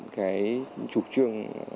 cái trục trương